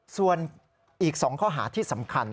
ส่วนอีก๒ข้อหาที่สำคัญ